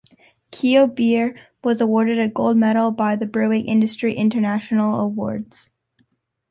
Keo beer was awarded a Gold Medal by the Brewing Industry International Awards.